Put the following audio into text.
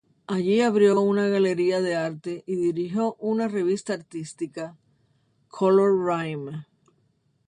Allí abrió una galería de arte y dirigió una revista artística, "Color Rhyme".